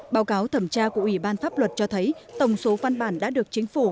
báo cáo thẩm tra của ủy ban pháp luật cho thấy tổng số văn bản đã được chính phủ